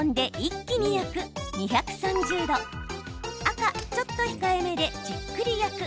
赤・ちょっと控えめでじっくり焼く。